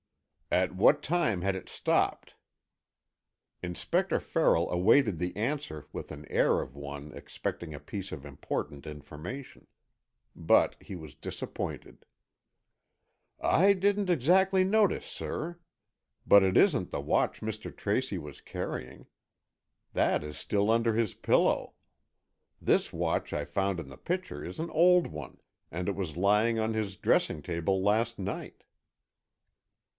"At what time had it stopped?" Inspector Farrell awaited the answer with an air of one expecting a piece of important information. But he was disappointed. "I didn't exactly notice, sir, but it isn't the watch Mr. Tracy was carrying. That is still under his pillow. This watch I found in the pitcher is an old one, and it was lying on his dressing table last night."